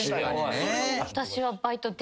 私は。